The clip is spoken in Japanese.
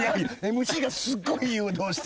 ＭＣがすっごい誘導して。